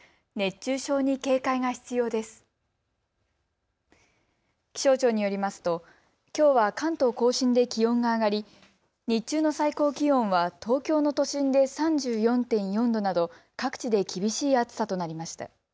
気象庁によりますときょうは関東甲信で気温が上がり日中の最高気温は東京の都心で３４．４度など各地で厳しい暑さとなりました。